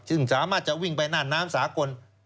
ซึ่งสามารถจะวิ่งไปน่านน้ำสากล